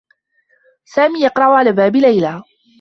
سامي يقرع على باب ليلى.